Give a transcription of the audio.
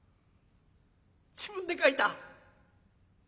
自分で書いた。